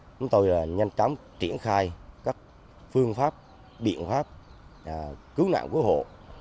chúng tôi nhanh chóng triển khai các phương pháp biện pháp cứu nạn cứu hộ